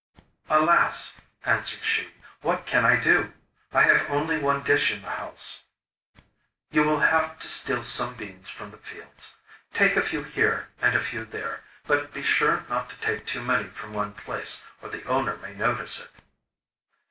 'Alas!' answered she, 'what can I do? I have only one dish in the house. You will have to steal some beans from the fields. Take a few here and a few there; but be sure not to take too many from one place, or the owner may notice it.